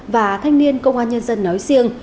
và thanh niên công an nhân dân nói riêng